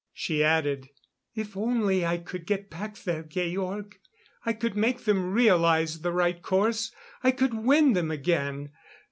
She added: "If only I could get back there, Georg I could make them realize the right course. I could win them again.